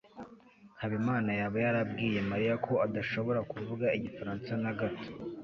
habimana yaba yarabwiye mariya ko adashobora kuvuga igifaransa na gato